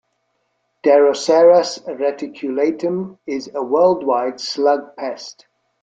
"Deroceras reticulatum" is a worldwide slug pest.